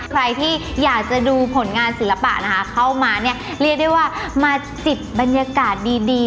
ใครที่อยากจะดูผลงานศิลปะนะคะเข้ามาเนี่ยเรียกได้ว่ามาจิบบรรยากาศดีดี